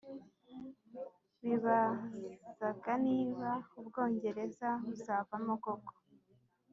Bibazaga niba u Bwongereza buzavamo koko